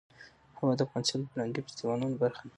هوا د افغانستان د فرهنګي فستیوالونو برخه ده.